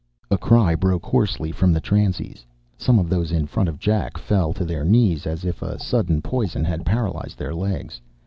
A cry broke hoarsely from the transies. Some of those in front of Jack fell to their knees as if a sudden poison had paralyzed their legs.